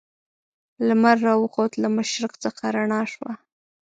لمر را وخوت له مشرق څخه رڼا شوه.